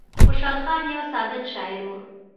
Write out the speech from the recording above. خوشال خان يو صادق شاعر وو ـ